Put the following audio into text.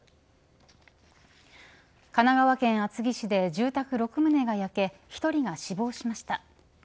神奈川県厚木市で住宅６棟が焼け１人が死亡しました。